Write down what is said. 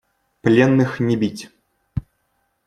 Пленных не бить!